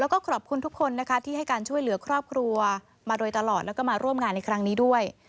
แล้วก็ขอบคุณทุกคนนะคะที่ให้การช่วยเหลือครอบครัวมาโดยตลอดแล้วก็มาร่วมงานในครั้งนี้ด้วย